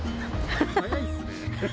早いですね。